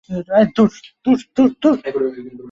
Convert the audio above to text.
তুমি একটা মিথ্যাবাদী!